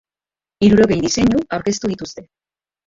Hirurogei diseinu aurkeztu dituzte.